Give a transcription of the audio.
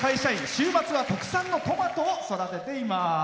週末は特産のトマトを育てています。